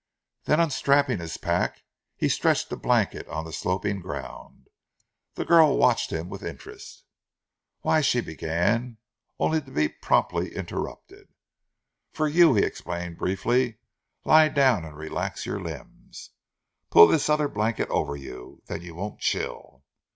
Then unstrapping his pack he stretched a blanket on the sloping ground. The girl watched him with interest. "Why " she began, only to be promptly interrupted. "For you," he explained briefly. "Lie down and relax your limbs. Pull this other blanket over you, then you won't chill."